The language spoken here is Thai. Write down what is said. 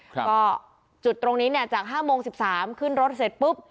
ก็จุดตรงนี้เนี่ยจาก๕โมง๑๓ขึ้นรถเสร็จปุ๊บ